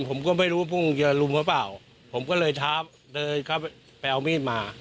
ผมก็ไม่รู้ว่าเพิ่งจะรุมหรือเปล่าผมก็เลยท้าเดินเข้าไปเอามีดมา